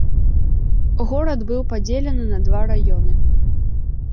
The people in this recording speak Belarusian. Горад быў падзелены на два раёны.